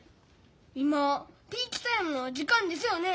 今ピーチタイムの時間ですよね？